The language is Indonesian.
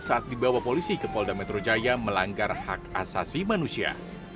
saat dibawa polisi ke polda metro jaya melanggar hak asasi manusia